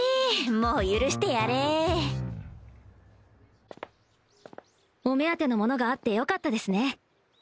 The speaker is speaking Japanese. もう許してやれお目当ての物があってよかったですね